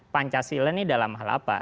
pancasila ini dalam hal apa